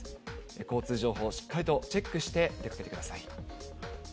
交通情報をしっかりとチェックして出かけてください。